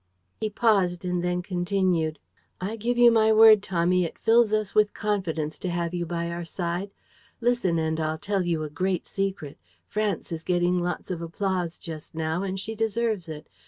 He paused and then continued: "I give you my word, Tommy, it fills us with confidence to have you by our side. Listen and I'll tell you a great secret. France is getting lots of applause just now; and she deserves it.